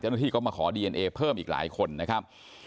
เจ้าหน้าที่ก็มาขอดีเอ็นเอเพิ่มอีกหลายคนนะครับ